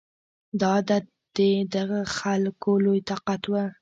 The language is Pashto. دا عادت د دغه خلکو لوی طاقت و